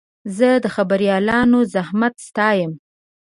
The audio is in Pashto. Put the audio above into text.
زه د خبریالانو زحمت ستایم.